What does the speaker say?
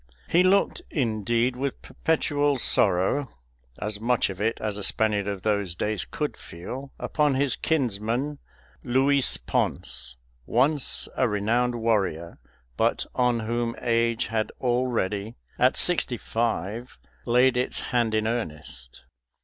He looked indeed with perpetual sorrow as much of it as a Spaniard of those days could feel upon his kinsman Luis Ponce, once a renowned warrior, but on whom age had already, at sixty five, laid its hand in earnest.